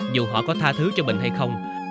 dù họ có tha thứ cho bình hay không